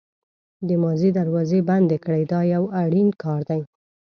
د ماضي دروازې بندې کړئ دا یو اړین کار دی.